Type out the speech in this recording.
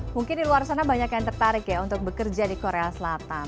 mungkin di luar sana banyak yang tertarik ya untuk bekerja di korea selatan